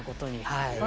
はい。